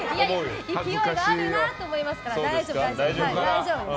勢いがあるなと思いますから大丈夫です。